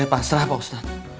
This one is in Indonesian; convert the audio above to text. saya pasrah pak ustadz